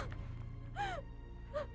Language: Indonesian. mau kemana nak